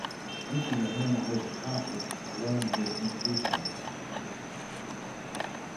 Thinking of him or his accomplice alone gives me goose bumps.